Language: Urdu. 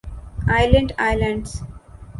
Aland islands